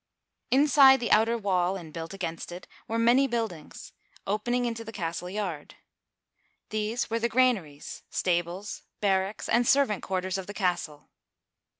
Inside the outer wall, and built against it, were many build ings, opening into the castle yard. These were the granaries, stables, barracks, and servant quarters of the castle.